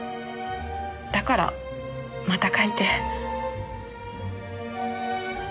だからまた書いて。